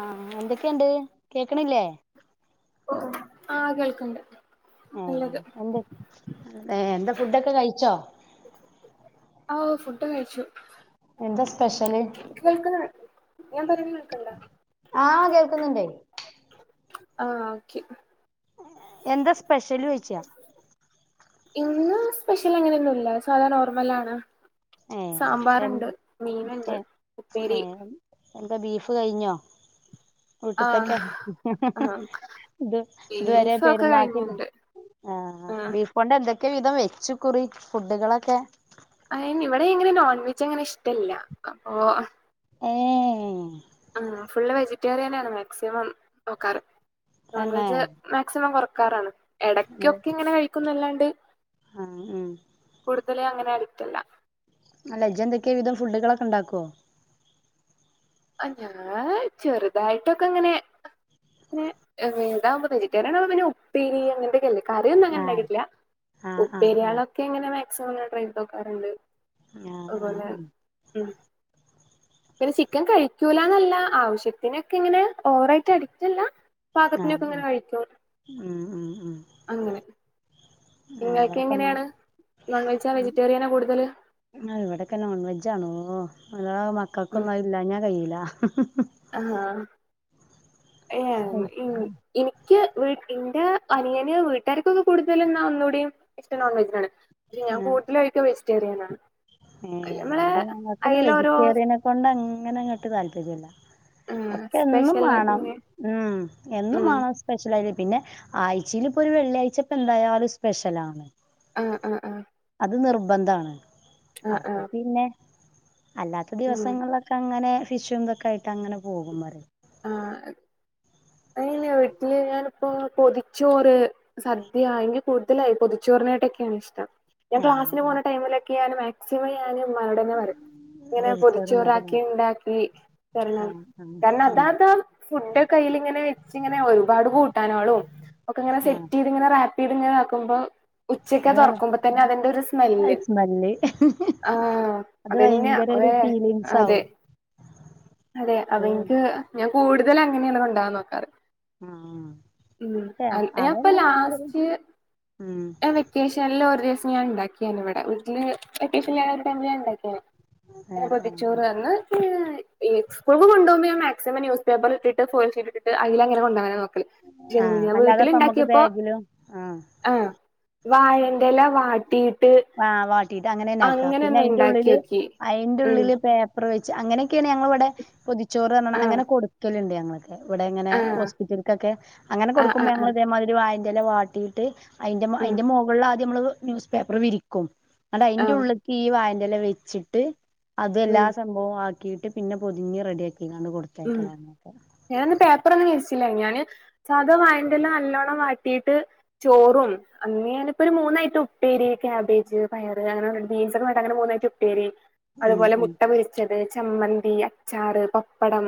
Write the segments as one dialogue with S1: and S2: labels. S1: ആഹ് എന്തെക്കെണ്ട് കേക്ക്‌ണില്ലേ?
S2: ഓഹ് ആഹ് കേൾക്ക്‌ണ്ട്.
S1: ഏഹ് എന്ത് ഏഹ് എന്താ ഫുഡൊക്കെ കഴിച്ചോ?
S2: ഓഹ് ഫുഡ് കഴിച്ചു.
S1: എന്താ സ്പെഷ്യല്?
S2: കേൾക്കുന്ന ഞാൻ പറിണെ കേക്ക്‌ണ്ട?
S1: ആഹ് കേക്ക്ന്ന്ണ്ടെയ്.
S2: ആഹ് ഓക്കെ
S1: എന്താ സ്പെഷ്യലോയ്ച്ചാ
S2: ഇന്നും സ്പെഷ്യലങ്ങനൊന്നുല്ല സാധാ നോർമലാണ്.
S1: ഏ
S2: സാമ്പാറ്ണ്ട്
S1: എന്ത് ഏ
S2: മീന്ണ്ട്
S1: ഏ
S2: ഉപ്പേരി
S1: എന്താ ബീഫ് കയിഞ്ഞോ?
S2: ആഹ്
S1: വീട്ട്ത്തൊക്കെ
S2: ആഹ്
S1: ത് ഇത് വരെ
S2: ബീഫൊക്കെ
S1: പെര്ന്നാക്കില്ലെ
S2: കഴിഞ്ഞ്ണ്ട്
S1: ആഹ് ബീഫോണ്ടെന്തൊക്കെ വിധം വെച്ചുക്കുറി ഫുഡുകളൊക്കെ
S2: അയ്ന് ഇവടെങ്ങനെ നോൺവെജങ്ങനിഷ്ടല്ല അപ്പോ അ
S1: ഏഹ്
S2: ആഹ് ഫുള്ള് വെജിറ്റേറിയനാണ് മാക്സിമം നോക്കാറ് നോൺ
S1: തന്നെ
S2: വെജ് മാക്സിമം കൊറക്കാറാണ് എടക്ക്യൊക്കെങ്ങനെ കഴിക്കുന്നല്ലാണ്ട്
S1: ഉം ഉം
S2: കൂടുതലായി അങ്ങനെ അഡിറ്റല്ല.
S1: അല്ല ജെന്തെക്കെ വിധം ഫുഡുകളൊക്കെണ്ടാക്കോ?
S2: ആഹ് ഞാന് ചെറ്തായിട്ടൊക്കങ്ങനെ പിന്നെ താവുമ്പ വെജിറ്റേറിയനാവുമ്പോ പിന്നെ ഉപ്പേരി അങ്ങൻത്തൊക്കല്ലേ കറ്യൊന്നും
S1: ആഹ്
S2: അങ്ങനെണ്ടാക്കിട്ടില്ല
S1: ആഹ് ആഹ് ആഹ്
S2: ഉപ്പേര്യാളൊക്കെങ്ങനെ മാക്സിമംങ്ങനെ ട്രൈ ചെയ്തോക്കാറ്ണ്ട്.
S1: ആഹ്
S2: അത്പോലെ
S1: ആഹ്
S2: ഉം പിന്നെ ചി ക്കൻ കഴിക്കൂലന്നല്ല ആവശ്യത്തിനൊക്കങ്ങനെ ഓവറായിട്ട് അഡിക്റ്റല്ല
S1: ആഹ് ആഹ്
S2: പാകത്തിനൊക്കെങ്ങനെ കഴിക്കും
S1: ഉം ഉം ഉം
S2: അങ്ങനെ.
S1: ഞങ്ങളവിടൊക്കെ
S2: ഇങ്ങക്കെങ്ങനെയാണ് നോൺ വെജാ വെജിറ്റേറിയനാ കൂടുതല്?
S1: ആഹ് ഇവടൊക്കെ നോൺ വെജാണോ അല്ലാഹ് മക്കക്കൊന്നും അയില്ലാഞ്ഞാ കയ്യില്ല.
S2: ആഹാ ഏഹ് ഇ ഇനിക്ക് വീ ഇന്റെ അനിയന് വീട്ടാർക്കൊക്കെ കൂടുതല് ന്നാ ഒന്നൂടിം ഇഷ്ടം നോൺ വെജാണ് പക്ഷെ ഞാൻ കൂടുതലായിട്ടും വെജിറ്റേറിയനാണ്. അയ്ല്
S1: ഏഹ്
S2: നമ്മള്
S1: ഇവടെ ഞങ്ങക്കൊന്നും
S2: അയ്ലോരോ
S1: വെജിറ്റേറിയനെ കൊണ്ടങ്ങനെങ്ങട്ട് താല്പര്യല്ല.
S2: ആഹ്
S1: ഒക്കെന്നും
S2: സ്പെഷ്യലായിട്ട്
S1: മാണം
S2: ഇങ്ങനെ
S1: ഉം എന്നും
S2: ഉം
S1: മാണം സ് പെഷ്യലാര്യാ പിന്നെ ആഴ്ച്ചീല്പ്പൊരു വെള്ളിയാഴ്ചപ്പന്തായാലും സ്പെഷ്യലാണ്
S2: ആഹ് ആഹ് ആഹ്
S1: അത് നിർബന്ധാണ്
S2: ആഹ്
S1: അപ്പൊ
S2: ആഹ്
S1: പിന്നെ അല്ലാത്ത
S2: ഉം
S1: ദിവസങ്ങളിലൊക്കങ്ങനെ ഫിഷും തൊക്കായിട്ടങ്ങനെ പോകും പറ്യേ.
S2: ആഹ് അയ്ന് വീട്ടില് ഞാനിപ്പോ പൊതിച്ചോറ് സദ്യ ഇൻക്ക് കൂടുതലായി പൊതിച്ചോറിനായിട്ടൊക്കെണിഷ്ടം ഞാൻ
S1: ആ
S2: ക്ലാസ്സിന് പോണ ടൈമിലൊക്കെണ് മാ ക്സിമം ഞാന് ഇമ്മാനോടെന്നെ പറയും ഇങ്ങനെ
S1: പൊരിച്ചോറുണ്ടാക്കി
S2: പൊതിച്ചോറാക്കിണ്ടാക്കി
S1: ആ
S2: തരണം
S1: ആ
S2: [unintelligible]
S1: ഉം
S2: താപ്പം ഫുഡോക്കയ്ല്ങ്ങനെ വെച്ച്ങ്ങനെ ഒരുപാട് കൂട്ടാനാളും ഒക്കെങ്ങനെ
S1: ആ
S2: സെറ്റെയ് ത്ങ്ങനെ റാപ്പെയ്ത്ങ്ങനാക്കുമ്പം ഉച്ചക്കാ
S1: അതെ
S2: തൊറക്കുമ്പൊ തന്നെ അതിന്റെ ഒരു സ്മെല്ല്
S1: സ്മെല്ല്
S2: ആഹ്
S1: അത്
S2: അതന്നെ
S1: ഭയങ്കര ഒരു
S2: ഒരേ
S1: ഫീലിങ്സ്
S2: അതെ
S1: ആവും
S2: അതെ അതെൻക്ക് ഞാൻ കൂടുതലങ്ങനെയാണ് കൊണ്ടൊവാൻ നോക്കാറ്
S1: ഉം
S2: ഉം
S1: [unintelligible]
S2: ഞാൻപ്പ
S1: അതന്നെ പർഞ്ഞാതിരി ഉം
S2: വെക്കേഷനിലൊരു ദിവസം ഞാൻ ണ്ടാക്കിയാണ് വടെ വീട്ടില് വെക്കേഷൻലായൊരു ടൈമ് ല് ഞാണ്ടാക്കിയാണ് [unintelligible] പൊതിച്ചോറ് അന്ന് ഈ സ്കൂൾക്ക്‌ കൊണ്ടോകുമ്പൊ മാക്സിമം ന്യൂസ്‌ പേപ്പറിട്ടിട്ട് ഫോയിൽ ഷീറ്റിട്ടിട്ട് അയ്ലങ്ങനെ കൊണ്ടോകാനാ നോ
S1: ആ
S2: [unintelligible] ഞാൻ
S1: അല്ലാതെപ്പ നമ്മുക്ക്
S2: വീട്ടില്ണ്ടാക്ക്യപ്പോ
S1: ബാഗിലും ആ
S2: ആഹ് വാഴെന്റെല വാട്ടിയി
S1: ആഹ് വാട്ടീട്ടങ്ങനെന്നാക്കാ
S2: ഉണ്ടാക്കി
S1: പിന്നയ്ന്റുള്ളില്
S2: നോക്കി ഉം
S1: അയ്ന്റുള്ളില് പേ പ്പറ് വെച്ച് അങ്ങനെയൊക്കെയാണ് ഞങ്ങളിവടെ പൊതിച്ചോറ് അർഞ്ഞണ്
S2: ആഹ്
S1: അങ്ങനെ കൊടുക്കല്ണ്ട് ഞങ്ങളൊക്കെ വടങ്ങനെ
S2: ആഹ്
S1: ഹോസ്പിറ്റൽക്കൊക്കെ അങ്ങനെ
S2: ആഹ്
S1: കൊടുക്കുമ്പോ
S2: ആഹ് ആഹ്
S1: ഞങ്ങള്തേമാതിരി വായന്റെല വാട്ടിയിട്ട് അയ്ന്റെ
S2: ഉം
S1: അയ്ന്റെ മുകളാദ്യമ്മള് ന്യൂസ് പേപ്പറ് വിരിക്കും
S2: ആഹ്
S1: ന്നട്ടയ്ന്റുള്ള്ക്കീ വായന്റെല വെച്ചിട്ട് അത് എല്ലാ
S2: ഉം
S1: [unintelligible] ആക്കിയിട്ട് പിന്നെ പൊതിഞ്ഞ് റെഡിയാക്കീക്കാണ്ട് കൊടുത്തേക്കലാ
S2: ഞാന് ന്ന് പേപ്പർ ഒന്നും വിരിച്ചില്ലേനു ഞാന് സാധാ വായന്റെല നല്ലോണം വാട്ടിയിട്ട് ചോറും അന്ന് ഞാനിപ്പൊരു മൂന്നയ്റ്റം ഉപ്പേരി ക്യാബേജ് പയറ് അങ്ങനെ ബീൻസ് ഒക്കെ ആയ്ട്ട് അങ്ങനെ മൂന്നയ്റ്റം ഉപ്പേരി
S1: ഉം
S2: അതുപോലെ
S1: ഉം
S2: മുട്ട പൊരിച്ചത് ചമ്മന്തി, അച്ചാറ്, പപ്പടം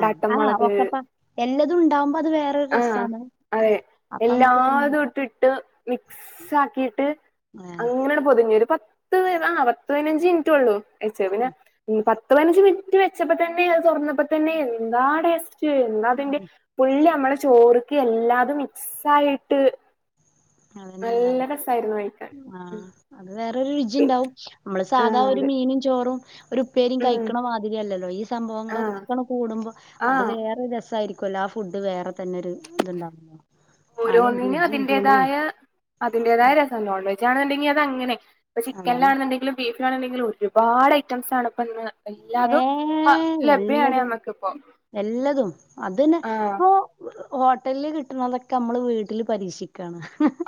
S1: ആഹ് ആഹ്
S2: മുളക്
S1: ഒക്കപ്പാ എല്ലതുണ്ടാവുമ്പൊ അത് വേറൊരു
S2: ആഹ്
S1: രസാണ്
S2: അതെ
S1: അപ്പ നമ്മക്ക് തിന്നും
S2: എല്ലാതുട്ടിട്ട് മിക്സാക്കീട്ട്
S1: ആ
S2: അങ്ങനെണ് പൊതിഞ്ഞൊരു പ പത്ത് ആഹ് പത്ത് പയ്നഞ്ച് മിൻറ്റൊള്ളൂ വെച്ച പിന്നെ ഉം പത്ത് പതിനഞ്ച് മിനിറ്റ് വെച്ചപ്പൊ ത ന്നെ അത് തൊർന്നപ്പൊ തന്നെ എന്താ ടേസ്റ്റ് എന്താതിന്റെ ഫുള്ള് ഞമ്മളെ ചോറ്ക്ക് എല്ലാതും മിക്സായിട്ട്
S1: അതന്നെ ഉണ്ടാവ
S2: നല്ല രസായിരുന്നു കഴിക്കാൻ ഉം
S1: ആഹ് അത് വേറൊരു
S2: പി
S1: രുചിണ്ടാവും നമ്മള് സാധാ
S2: ആഹ്
S1: ഒരു
S2: അതെ
S1: മീനും ചോറും ഒരു പ്പേരിം
S2: ഉം
S1: കഴിക്ക്‌ണ മാതിരിയല്ലല്ലോ ഈ
S2: ആഹ്
S1: സംഭവങ്ങളൊക്കങ്ങട് കൂടുമ്പൊ അത്
S2: ആഹ്
S1: വേ വേറൊരു രസായിരിക്കൊല്ലോ ആഹ് ഫുഡ് വേറെ തന്നെ ഒരു ത്ണ്ടാവും
S2: ഓരോന്നിനും അതിന്റേതായ അതിന്റേതായ രസം നോൺവെജ് ആണെന്ന്ണ്ടെങ്കി അതങ്ങനെ ഇപ്പ
S1: അതാണ്
S2: ചിക്കൻലാണ്ന്ന്ണ്ടങ്കിലും ബീഫ്‌ലാണ്ന്നുണ്ടെങ്കിലും ഒരുപാട് ഐറ്റംസാണ്പ്പന്ന്
S1: ഏഹ് എല്ലതും
S2: നമ്മക്കിപ്പോ
S1: എല്ലതും അതിന്
S2: ആഹ്
S1: പ്പൊ ഹോട്ടൽല് കിട്ടുന്നതൊക്കെ നമ്മള് വീട്ടില് പരീക്ഷിക്കാണ്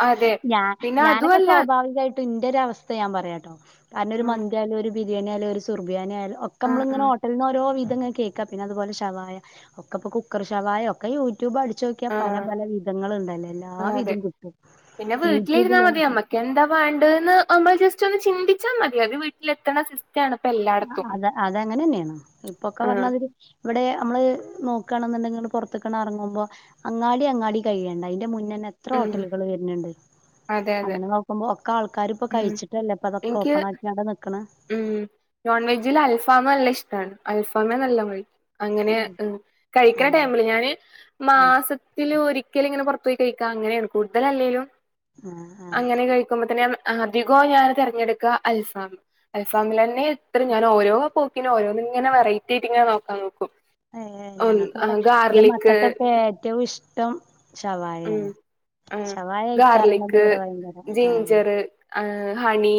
S2: അതെ
S1: ഞാൻ
S2: പിന്നെ
S1: ഞാനൊക്കെ
S2: അതുവല്ല
S1: സ്വാഭാവികായിട്ട് ട്ടിന്റൊരവസ്ഥ ഞാൻ പറയാട്ടോ കാരണം ഒരു
S2: ഉം
S1: മന്തിയാലും ഒരു ബിരിയാണിയായാലും ഒരു സുർബിയാനിയായാലും
S2: ആഹ്
S1: ഒക്കമ്മള്ങ്ങനെ
S2: ആഹ്
S1: ഹോട്ടൽന്നോരോ വിധങ്ങനെ കേക്കും ക്ക പിന്നതുപോലെ ശവായ ഒക്കെപ്പൊ കുക്കർ ശവായൊക്കെ യൂട്യൂബ് അട്ച്ചോ ക്യാ പല
S2: ആഹ്
S1: പല വിധങ്ങള്ണ്ടല്ലൊ എല്ലാ
S2: ആഹ് അതെ
S1: വിധൊം കിട്ടും
S2: പിന്നെ
S1: യൂട്യുബ്
S2: വീട്ടിലിരുന്നാ
S1: ലൊ
S2: മതി നമ്മക്ക് എന്താ വേണ്ട്ന്ന് നമ്മൾ ജസ്റ്റ് ഒന്ന് ചിന്തിച്ചാ മതി അത് വീട്ടിലെത്തണ സിസ് റ്റാണ്പ്പെല്ലാ
S1: ആഹ് അത അതങ്ങനെന്നേണ് ഇപ്പൊക്കെ
S2: ആഹ്
S1: പർഞ്ഞാതിരി വടെ അമ്മള് നോക്കാണ്ന്ന്ണ്ടെങ്കില്ങ്ങട് പൊർത്ത്ക്കാണർങ്ങുമ്പൊ അങ്ങാടി അങ്ങാടി കഴിയണ്ട അയ്ന്റെ മുന്നന്നെ എത്ര
S2: ഉം
S1: ഹോട്ടലുകൾ വര്ന്ണ്ട്
S2: അതെ അതെ
S1: അങ്ങനെ നോക്കുമ്പോ ഒക്കെ ആൾക്കാരിപ്പൊ
S2: ഉം
S1: കഴിച്ചിട്ടല്ലേ
S2: എനിക്ക്
S1: പ്പതൊക്കോപ്പണാക്കി ആണ്ട് നിക്ക്ണ്
S2: ഉം നോൺ വെജ്ജില് അൽഫാമ് നല്ല ഇഷ്ടാണ്. അൽഫാമ് നല്ലോം കഴിക്കും. അങ്ങനെ കഴിക്കണ
S1: ആഹ്
S2: ടൈമില് ഞാന്
S1: ഉം
S2: മാസ ത്തില് ഒരിക്കല്ങ്ങനെ പൊർത്തു പോയി കഴിക്കാ അങ്ങനേണ് കൂടുതലല്ലേലും
S1: ആഹ് ആഹ്
S2: അങ്ങനെ കഴിക്കുമ്പോ തന്നെ. അധികോ ഞാന് തെരഞ്ഞെടുക്ക അൽഫാമ്. അൽഫാമിലെന്നെത്ര ഞാനോരോ പോക്കിനും ഓരോന്നിങ്ങനെ വെറൈറ്റി ആയിട്ട്ങ്ങനെ നോക്കാൻ നോക്കും.
S1: ഏഹ് ഞങ്ങക്ക് വടെ ന്റെ
S2: ഗാർലിക്
S1: മക്കക്കൊക്കെ ഏറ്റവും ഇഷ്ടം.
S2: ഉം
S1: ശവായേണ്
S2: ആഹ്
S1: ശവായ കഴ്ക്കാറണത് വടെ ഭയങ്കര ആഹ്
S2: ആഹ് ഹണി.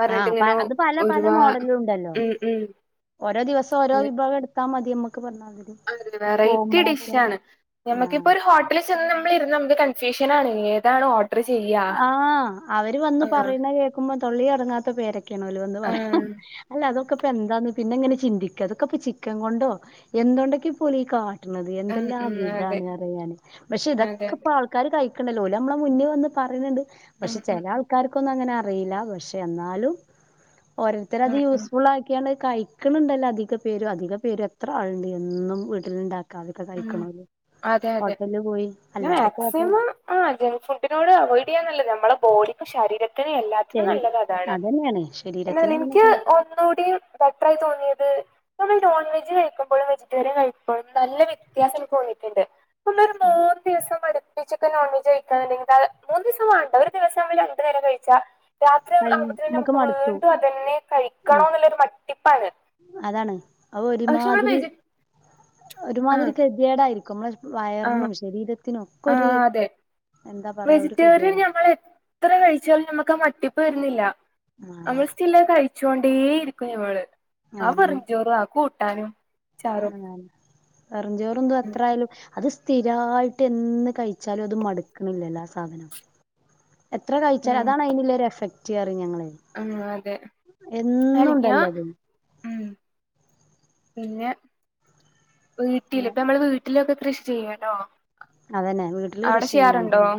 S2: പറഞ്ഞിട്ട്
S1: ആഹ് പ്പ
S2: ഇങ്ങനെ
S1: അത്പ്പ പല പല
S2: ഒരുപാ
S1: മോഡലുണ്ടല്ലോ
S2: ഉം ഉം
S1: ഓരോ ദിവസം ഓരോ വിഭവ ട്. ത്താ മതിയമ്മക്ക് പറഞ്ഞാൽ മതി.
S2: അതെ വെറൈറ്റി ഡിഷ്
S1: പോകുമ്പോളൊക്കെ
S2: ആണ്,
S1: ആ
S2: നമക്കിപ്പോ ഒരു ഹോ ട്ടലി ചെന്ന് നമ്മളിരുന്നാ നമ്മക്ക് കൺഫ്യൂഷനാണ് ഏതാണ് ഓഡ
S1: ആഹ് അവര് വന്നു
S2: ആഹ്
S1: പറയുന്ന കേക്കുമ്പോ തൊള്ളി അടങ്ങാത്ത പേരൊക്കെ ക്കണോലോന്ന് പറയാ.
S2: ആഹ്
S1: അല്ല അതൊക്കെ ഇപ്പ എന്തന്ന് പിന്നെ ഇങ്ങനെ ചിന്തിക്ക അതൊക്കെപ്പ ചിക്കൻ കൊണ്ടോ എന്തുണ്ടൊക്കെ പോല ഈ കാ കാട്ടണത്
S2: ഉം
S1: എന്തെല്ലാം
S2: ഉം അതെ
S1: ഇതാണ് അറിയാന്, പക്ഷെ
S2: അതെ
S1: ഇതൊക്കെ ഇപ്പ
S2: അതെ
S1: ആൾക്കാര് കഴിക്കണല്ലോ ഓല്മ്മളെ മുന്നേ വന്ന്. പറയുന്നുണ്ട്.
S2: ഉം
S1: പക്ഷെ
S2: ഉം
S1: ചെല ആൾക്കാർക്കൊന്നും അങ്ങനെ അറിയില്ല, പക്ഷെ എന്നാലും. ഓരോരുത്തര് അത്
S2: ഉം ഉം
S1: യൂസ്ഫുൾ ആ ക്കണ് കഴിക്കണ് ണ്ടല്ലോ, അധിക പേരും അധിക പേരും എത്ര ആളുണ്ട് എന്നും വീട്ടിലുണ്ടാ അതൊക്കെ
S2: ഉം
S1: കഴിക്കണോര്
S2: അതെ
S1: ഹോട്ടലില് പോയി അല്ലാതെപ്പോ ഹോട്ടൽ.
S2: ആ ജങ്ക് ഫുഡിനോട് അവോയിഡ് ചെയ്യാനന്നല്ലത് നമ്മുടെ ബോഡി ശരീരത്തിന് എല്ലാത്തിനും
S1: ശരീ
S2: നല്ലത് അതാണ്.
S1: അതന്നെയാണ്
S2: എന്നാൽ
S1: ശരീരത്തിന് അതിന്
S2: എനിക്ക് ഒന്നൂടി. ബെറ്ററായി തോന്നിയത് നമ്മൾ നോൺ വെജ് കഴിക്കുമ്പോഴും വെജിറ്റേറിയൻ കഴിക്കുമ്പോഴും നല്ല വ്യ വ്യത്യാസം ചിലപ്പോ തോന്നിയിട്ടുണ്ട്. അടുപ്പിച്ചിക്ക നോൺവെജ് കഴിക്കാന്നിണ്ടങ്കില് മൂന്നുദിവസം വേണ്ട, ഒരു ദിവസം എങ്കിലു രണ്ടു നേരം കഴിച്ച. രാത്രി
S1: കഴിഞ്ഞു
S2: ആവുമ്പത്തന് നമുക്ക്
S1: മടുത്തു
S2: വീണ്ടും അതന്നെ
S1: ആ
S2: കഴിക്കണോന്നുള്ളരു മടിപ്പാണ്.
S1: അതാണ് അത് ഒരുമാതിരി.
S2: വെജി
S1: ഒരുമാതിരി
S2: ആഹ്
S1: ഗതിയേടായിരിക്കും, നമ്മളെ
S2: ആഹ്
S1: വയറിനും, ശരിരത്തിനുക്ക ഒര്.
S2: ആഹ് അതെ വെജിറ്റേറിയൻ ഞമ്മളെത്ര കഴിച്ചാലും ഞമ്മക്കാ ആ മട്ടിപ്പ് വരുന്നില്ല.
S1: ആ
S2: നമ്മള് സ് ച്ചില് കഴിച്ചോണ്ടേ ഇരിക്കും ഞമ്മള്. ആ വെറും ചോറും, ആ കൂട്ടാനും. ചാറും
S1: ആ വെറും ചോറും ഇതും
S2: ഉം
S1: എത്രയാലും അത് സ് സ്ഥിരായിട്ട് എന്ന് കഴിച്ചാലും അത് മടുക്കുന്നില്ലല്ലോ ആ സാധനം. എത്ര കഴിച്ചാലും
S2: ഉം
S1: അതാണ് അതിനുള്ള ഒരു എഫക്റ്റ്റയും ഞങ്ങള്.
S2: ആഹ് അതെ ആയിരിക്കും
S1: എന്നുംണ്ടല്ലത്.
S2: ഉം പിന്നെ വീട്ടില് ഇപ്പ നമ്മള് വീട്ട വീട്ടിലൊക്കെ കൃഷി ചെയ്യണോ.
S1: അതന്നെ വീട്ടില് കൃഷി ചെയ്യണണ്ട്.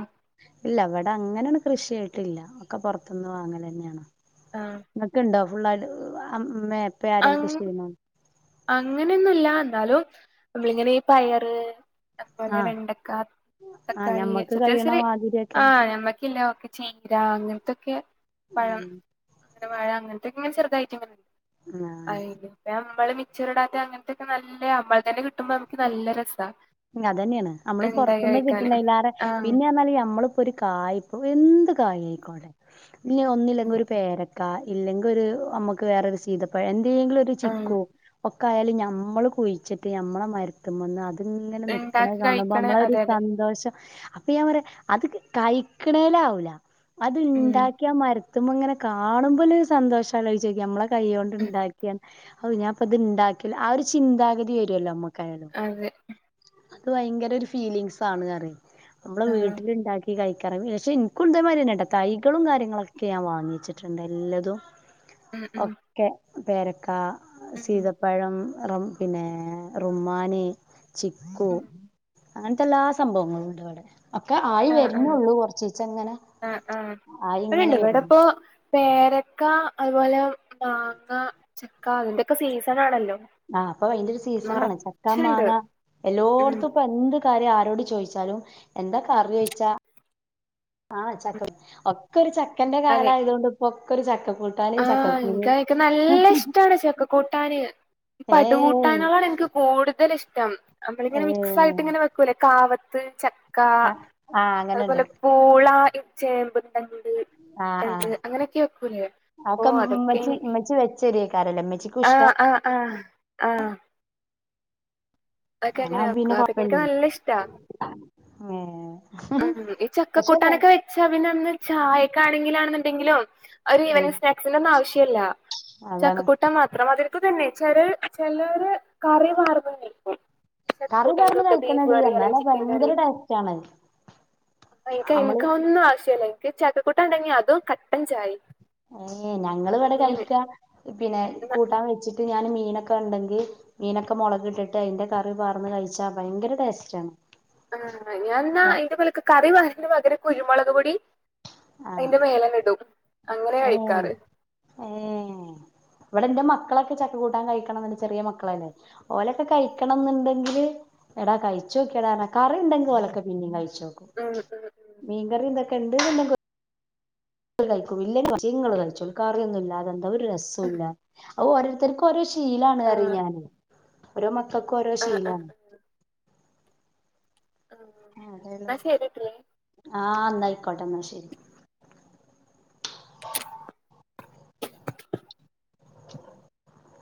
S1: ഇല്ല ഇവിടെ അങ്ങനെയണ് കൃഷിയായിട്ടില്ല, ഒക്കെ പുറത്തിന്ന് വാങ്ങലന്നെയാണ്.
S2: ആഹ്
S1: ഇങ്ങക്ക് ഇണ്ടോ ഫുള്ളായിട്ട് മേ
S2: അങ് അങ്ങനെയൊന്നുംല്ല എന്നാലും നമ്മളിങ്ങനെ പയറ്. അതുപോലെ
S1: ആ
S2: വെണ്ടക്ക,
S1: ആഹ്
S2: തക്കാളി,
S1: ഞമ്മക്ക്
S2: ചെറിയ,
S1: കഴിയണ
S2: ചെറിയ ആ
S1: മാതിരിയൊക്കെ
S2: ഞമ്മക്കില്ല ഓക്കെ. ചീര അങ്ങനത്തൊക്കെ പഴം
S1: ഉം
S2: അങ്ങനെ വാഴ അങ്ങനത്തൊക്കെങ്ങനെ ചെറുതായിട്ടങ്ങനെ.
S1: ആ
S2: അയിന് പ്പഞമ്മള് മിച്ചർ ഇടാത്ത അങ്ങനത്തൊക്കെ നല്ല നമ്മൾ തന്നെ കിട്ടുമ്പോ നമുക്ക് നല്ല രസാ.
S1: അതന്നെണ് നമ്മള്
S2: ഇണ്ടായി
S1: പുറത്തുന്നും
S2: കഴിക്കാന്
S1: കിട്ടണ അല്ലാതെ
S2: ആഹ്
S1: പിന്നെന്നാല് നമ്മള് ഒരു കായി ഇപ്പോ എന്ത് കായി ആയിക്കോട്ടെ, ഇനി ഒന്നില്ലെങ്കി ഒരു പേരക്ക ക്കാ ഇല്ലെങ്കി ഒരു നമ്മക്ക് വേറൊരു സീതപ്പഴം എന്തെങ്കിലും ഒരു
S2: ആഹ്
S1: ചിക്കു ഒക് ക്കയാല് ഞമ്മള് കുയിച്ചിട്ട് ഞമ്മളെ മരുത്തുമ്മന്ന് അത് ഇങ്ങനെ നിക്കണെ
S2: ഇണ്ടാക്കി
S1: കാണുമ്പോ
S2: കഴിക്കണ
S1: നമ്മളെ ആ ഒരു
S2: അതെ അതെ
S1: സന്തോഷം അപ്പൊ ഞാൻ പറയാ അത് കയിക്കണേലാവൂല അത്
S2: ഉം
S1: ഇണ്ടാക്കിയാ മര ത്തുമ്പോ ഇങ്ങനെ കാണുമ്പോള്ളെരു സന്തോഷാലോയിച്ചോക്കിയാ, നമ്മളെ കൈയ്യോണ്ട്
S2: ഉം
S1: ഇണ്ടാക്കിയാ ഹാവു ഞാന്പ്പത് ഇണ്ടാക്കിയല്ലോ ആ ഒരു ചിന്താഗതി വരുമല്ലോ നമ്മക്കായാലും.
S2: അതെ
S1: അത് ഭയങ്കര ഒരു ഫീലിങ്സ് ആണ് പറയും നമ്മളെ
S2: ആഹ്
S1: വീട്ടില്ണ്ടാക്കി കയിക്കാറ് പക്ഷെ ഇനിക്കും ഇതേമാതിരിയെന്നാട്ടാ തൈകളും കാര്യങ്ങളൊക്കെ ഞാൻ വാങ്ങി വെച്ചിറ്റ്ണ്ട് എല്ലതും.
S2: [inaudible]
S1: ഒക്കെ പേരക്കാ,
S2: ഉം
S1: സീതപ്പഴം. റം, പിന്നെ റുമ്മാനി, ചിക്കൂ
S2: ഉം
S1: അങ്ങൻത്തെ എല്ലാ സംഭവങ്ങളും ഇണ്ട് ഇവിടെ. ഒക്കെ ആയി
S2: ആഹ് ആഹ്
S1: വെരുന്നുള്ളൂ കൊറച്ചീച്ചെ ഇങ്ങനെ
S2: ആഹ്
S1: ആയി ഇങ്ങനെ വെരുന്നു
S2: പേരക്കാ, അതുപോലെ മാങ്ങ ചക്ക അതിന്റെക്കെ സീസൺ ആണല്ലോ.
S1: ആഹ്, ഇപ്പൊ അയിന്റെ ഒരു സീസൺ ആണ് ചക്ക
S2: നറച്ച്ണ്ട്
S1: മാങ്ങ
S2: ഉം
S1: എല്ലോടത്തും ഇപ്പൊ എന്ത് കാര്യം ആരോട് ചോയിച്ചാലും എന്താ കറി ചോയിച്ചാ ആഹ്
S2: ഉം
S1: ചക്ക ഒക്കെ ഒരു ചക്കന്റെ
S2: അതെ
S1: കാലായതോണ്ട് ഇപ്പോ ഒക്കെ ഒരു ചക്ക പുഴു
S2: ആഹ് ഇൻക്ക് അതൊക്കെ നല്ല ഇഷ്ട്ടാണ് ചക്ക കൂ കൂട്ടാന്,
S1: ഏഹ്
S2: പടുകൂട്ടാനുകളാണ് ഇനിക്ക് കൂടുതൽ ഇഷ്ട്ടം നമ്മളിങ്ങനെ മിക്സ്
S1: ഏഹ്
S2: ആയിട്ട് ഇങ്ങനെ വെക്കൂല്ലെ കാവത്ത്, ചക്ക
S1: ആഹ് ആഹ് അങ്ങനെണ്ട്
S2: അതുപോലെ പൂളാ ഈ ചേമ്പിൻതണ്ട്, ണ്ണിത്തണ്ട് അങ്ങനെയൊക്കെ വെക്കൂലെ.
S1: അത് ഒക്കെ ഉം ഉമ്മച്ചി ഉമ്മച്ചി വെച്ചെരെയ്ക്കാരം ല്ലേ ഉമ്മച്ചിക്കും ഇഷ്ട്ടാ
S2: ആഹ്, ആഹ് ആഹ് അതൊക്കെങ്ങനെയാ
S1: അങ്ങനാവുമ്പോ പിന്നെ
S2: വെക്കാ അതൊക്കെ ഇനിക്ക്
S1: കൊഴപ്പല്ലേനി
S2: നല്ല ഇഷ്ട്ടാ.
S1: ഏഹ്
S2: ഉം ഈ
S1: പക്ഷെ
S2: ചക്കക്കൂട്ടാനൊക്കെ വെച്ചാ പിന്നെ അന്ന് ചായക്കാണെങ്കിലാണ്ന്ന്ണ്ടെങ്കിലും ഒരു
S1: ഉം
S2: ഈവനിംഗ് സ്നാക്സിന്റെ ഒന്നും ആവശ്യല്ലാ
S1: അതാണ്
S2: ചക്കക്കൂട്ടാൻ മാത്രം മതി അത് തന്നെ ചെലര് ചെലര് കറി പാർന്നും കയിക്കും.
S1: കറി പാർന്ന് കയ്‌ക്കെണെടി എന്നാല്
S2: അല്ലെങ്കിൽ ചിക്കൻ
S1: ഭയങ്കര ടേസ്റ്റാണ്.
S2: ആഹ് ഇൻക്ക് ഇൻക്കതൊന്നും ആവശ്യല്ലാ ഇൻക്ക് ചക്കക്കൂട്ടാൻ ഇണ്ടെങ്കി അതും കട്ടൻ ചായയും
S1: ഏഹ്, ഞങ്ങളിവിടെ കഴിക്കാ പിന്നെ കൂട്ടാൻ വെച്ചിട്ട് ഞാന് മീനൊക്കെ ഇണ്ടെങ്കി മീനൊക്കെ മൊളക് ഇട്ടിട്ട് അതിന്റെ കറി പാർന്ന് കഴിച്ചാ ഭയങ്കര ടേസ്റ്റാ
S2: ആഹ് ഞാൻ ഇന്നാ അയിന്റെ മേലെക്ക് കറിപാര്ന്ന പകരം കുരുമുളക് പൊടിം
S1: ആഹ്
S2: അയ്ന്റെ മേലെന്നെ ഇടും അങ്ങനെയാ
S1: ഏ
S2: കഴിക്കാറ്.
S1: ഏ ഇവിടെ ഇന്റെ മക്കളൊക്കെ ചക്ക കൂട്ടാൻ കഴിക്കണ [unintelligible] ചെറിയ മക്കളല്ലെ. ഓലൊക്കെ കഴിക്കണന്ന്ണ്ടെങ്കില് എടാ കഴിച്ചോക്കിയെടാ പറഞ്ഞാ കറി ഇണ്ടെങ്കി ഓലെക്കെ പിന്നേം കഴിച്ചും
S2: ഉം ഉം
S1: മീൻകറി ഇതൊക്കെ ഇണ്ട്ന്ന്ണ്ടെങ്ക് ഓ കയിക്കും ഇല്ല ഉമ്മച്ചി ഇങ്ങള് കഴിച്ചോളീ കറിയൊന്നും ഇല്ലാതെന്താ ഒരു
S2: ഉം
S1: രസോല്ലാ അത് ഓരോത്തർക്കും ഓരോ ശീലാണ് പറി
S2: ആഹ്
S1: ഞാന് ഓരോ മക്കക്കും ഓരോ
S2: ആഹ് ആഹ്
S1: ശീലാണ്.
S2: ആഹ്
S1: [unintelligible]
S2: ന്നാ ശരിട്ടിലേ
S1: ആഹ് ഇന്നായിക്കോട്ടെ ഇന്നാ ശെരി.
S2: [inaudible]